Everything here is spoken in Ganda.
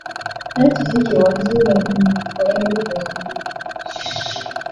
Naye kiki kye wazuula mu kwefumbira?